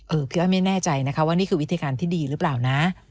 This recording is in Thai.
พี่อ้อยไม่แน่ใจนะคะว่านี่คือวิธีการที่ดีหรือเปล่านะ